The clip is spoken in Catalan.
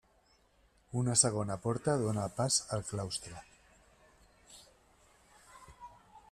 Una segona porta dóna pas al claustre.